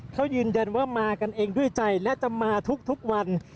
เขายืนยันว่ามากันเองด้วยใจและจะมาทุกวัน